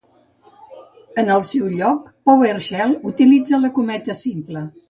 En el seu lloc, PowerShell utilitza la cometa simple.